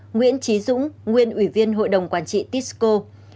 nguyễn trí dũng nguyên ủy viên hội đồng quản trị tisco